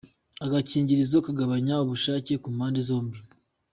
Agakingirizo kagabanya ubushake ku mpande zombi .